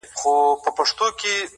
هره شپه له بېخوبۍ څخه کباب سو -